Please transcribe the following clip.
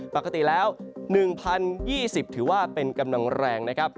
ปกติแล้ว๑๐๒๐ถือว่าเป็นกำลังแรงนะครับ